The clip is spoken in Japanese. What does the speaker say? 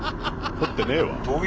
とってねえわ。